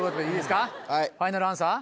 ファイナルアンサー？